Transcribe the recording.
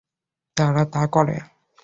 তারা তা করে।